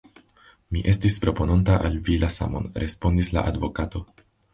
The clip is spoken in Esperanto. Mi estis propononta al vi la samon, respondis la advokato.